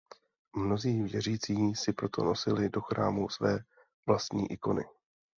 Mnozí věřící si proto nosili do chrámu své vlastní ikony.